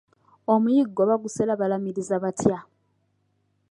Omuyiggo bagusera balamiiriza batya?